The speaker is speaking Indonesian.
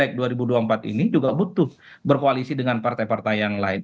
di dua ribu dua puluh empat ini juga butuh berkoalisi dengan partai partai yang lain